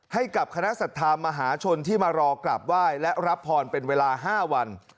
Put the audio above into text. ให้กับคณะศรัทธามหาชนที่มารอกลับไหว้และรับพรเป็นเวลา๕วัน